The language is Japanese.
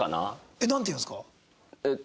えっなんて言うんですか？